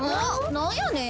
なんやねん？